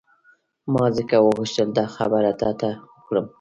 ما ځکه وغوښتل دا خبره تا ته وکړم.